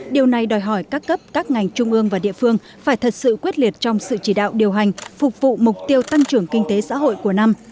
điều này đòi hỏi các cấp các ngành trung ương và địa phương phải thật sự quyết liệt trong sự chỉ đạo điều hành phục vụ mục tiêu tăng trưởng kinh tế xã hội của năm